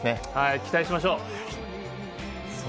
期待しましょう。